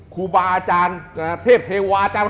ครูบาอาจารย์เทพเทวาจา